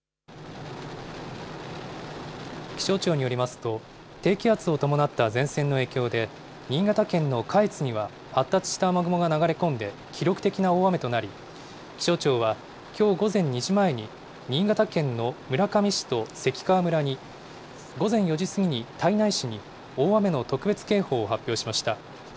気象庁によりますと、低気圧を伴った前線の影響で、新潟県の下越には、発達した雨雲が流れ込んで、記録的な大雨となり、気象庁は、きょう午前２時前に、新潟県の村上市と関川村に、午前４時過ぎに胎内市に、大雨の特別警報を発表しました。